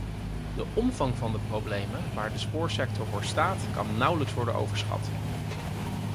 De omvang van de problemen waar de spoorwegsector voor staat kan nauwelijks worden overschat.